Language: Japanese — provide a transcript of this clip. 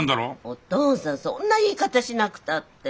お父さんそんな言い方しなくたって。